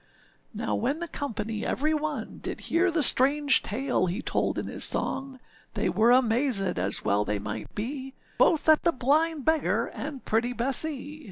â Now when the company every one, Did hear the strange tale he told in his song, They were amazèd, as well they might be, Both at the blind beggar and pretty Bessee.